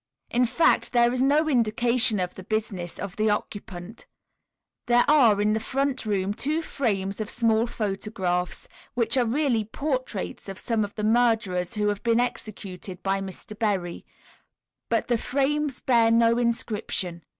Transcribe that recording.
In fact, there is no indication of the business of the occupant. There are, in the front room, two frames of small photographs, which are really portraits of some of the murderers who have been executed by Mr. Berry, but the frames bear no inscription.